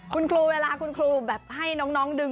คุณครูเวลาคุณครูแบบให้น้องดึง